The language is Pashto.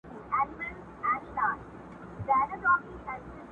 چي ناڅاپه سوه پیشو دوکان ته پورته!